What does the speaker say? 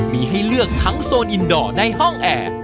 มีให้เลือกทั้งโซนอินดอร์ในห้องแอร์